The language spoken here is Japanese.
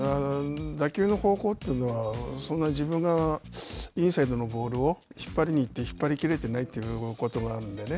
打球の方向というのは、そんな自分がインサイドのボールを引っ張りに行って、引っ張りきれてないということがあるんでね。